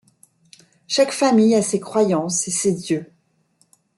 Chaque famille a ses croyances et ses dieux.